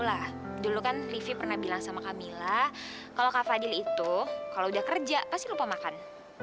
lah dulu kan review pernah bilang sama kamila kalau fadil itu kalau udah kerja pasti lupa makan